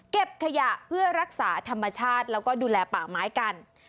เก็บขยะเพื่อรักษาธรรมชาติแล้วก็ดูแลป่าไม้กัน